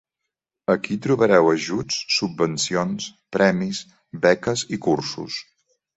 Aquí trobareu ajuts, subvencions, premis, beques i cursos.